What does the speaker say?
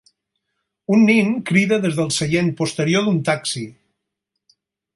Un nen crida des del seient posterior d'un taxi.